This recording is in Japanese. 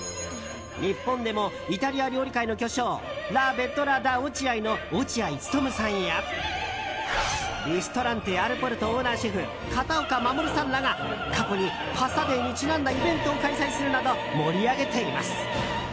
日本でも、イタリア料理界の巨匠ラ・ベットラ・ダ・オチアイの落合務さんやリストランテアルポルトオーナーシェフ、片岡護さんらが過去に、パスタデーにちなんだイベントを開催するなど盛り上げています。